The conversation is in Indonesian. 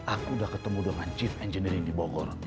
aku udah ketemu dengan chief engineer ini di bogor